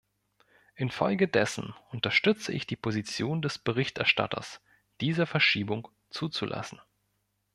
Infolgedessen unterstütze ich die Position des Berichterstatters, diese Verschiebung zuzulassen.